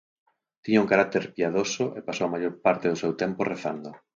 Tiña un carácter piadoso e pasou a maior parte do seu tempo rezando.